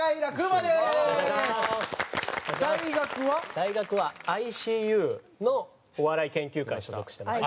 大学はＩＣＵのお笑い研究会に所属してました。